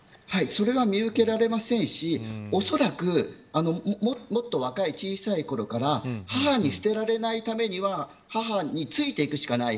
それは見受けられませんしおそらくもっと若い小さいころから母に捨てられないためには母についていくしかない。